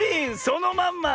そのまんま！